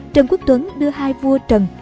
trần quốc tuấn đưa hai vua trần